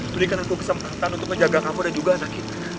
berikan aku kesempatan untuk menjaga kamu dan juga anak kita